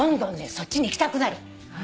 そっちにいきたくなる。